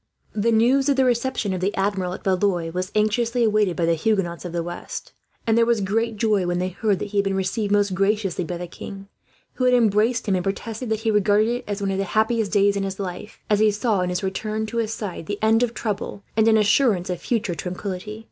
'" The news of the reception of the Admiral, at Blois, was anxiously awaited by the Huguenots of the west; and there was great joy when they heard that he had been received most graciously by the king, who had embraced him, and protested that he regarded it as one of the happiest days in his life; as he saw, in his return to his side, the end of trouble and an assurance of future tranquillity.